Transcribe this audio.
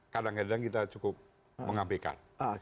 kadang kadang kita cukup mengampikan